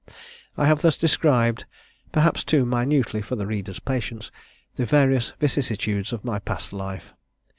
I have thus described (perhaps too minutely for the reader's patience) the various vicissitudes of my past life.